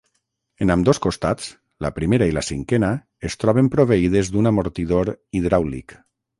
En ambdós costats, la primera i la cinquena es troben proveïdes d'un amortidor hidràulic.